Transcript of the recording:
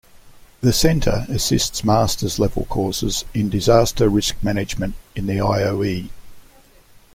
The center assists Master's level courses in Disaster Risk Management in the IoE.